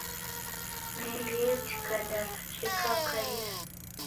Meli yetika jaraja ikaichikanya